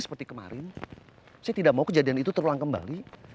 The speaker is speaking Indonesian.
seperti kemarin saya tidak mau kejadian itu terulang kembali